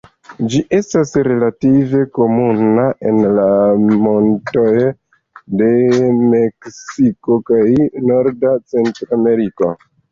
Ĝi estas relative komuna en la montoj de Meksiko kaj norda Centrameriko.